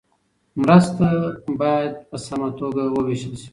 مرستې باید په سمه توګه وویشل سي.